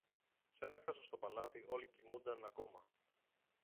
Σαν έφθασαν στο παλάτι, όλοι κοιμούνταν ακόμα.